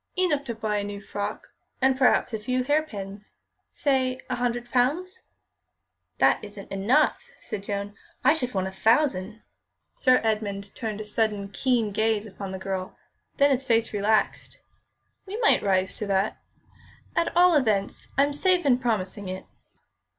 "Enough to buy a new frock and perhaps a few hairpins; say a hundred pounds." "That isn't enough," said Joan; "I should want a thousand." Sir Edmund turned a sudden, keen gaze upon the girl; then his face relaxed. "We might rise to that. At all events, I'm safe in promising it."